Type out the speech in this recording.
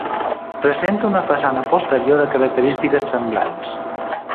Presenta una façana posterior de característiques semblants.